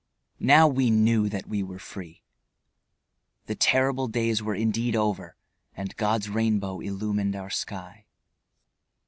Now we knew that we were free. The terrible days were indeed over, and God's rainbow illumined our sky.